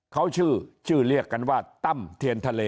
เขาชื่อชื่อเรียกกันว่าตั้มเทียนทะเล